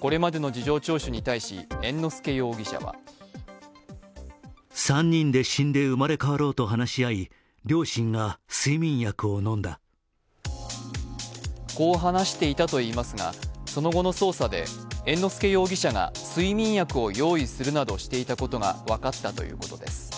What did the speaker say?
これまでの事情聴取に対し猿之助容疑者はこう話していたといいますが、その後の捜査で猿之助容疑者が睡眠薬を用意するなどしていたことが分かったということです。